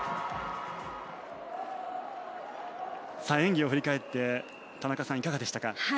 演技を振り返って田中さん、いかがでしたか。